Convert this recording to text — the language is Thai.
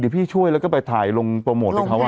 อ้อเดี๋ยวพี่ช่วยแล้วก็ไปถ่ายลงโปลโมทด้านเค้าอ่ะ